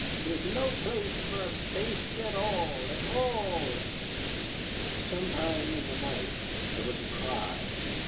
'Tis no place for a baste at all, at all." Sometime in the night there was a cry.